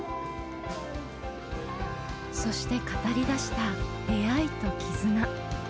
そして語りだした出会いと絆。